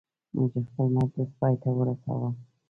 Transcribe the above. موږ خپل مجلس پایته ورساوه.